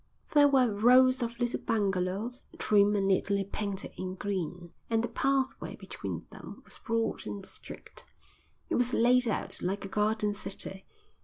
There were rows of little bungalows, trim and neatly painted in green, and the pathway between them was broad and straight. It was laid out like a garden city.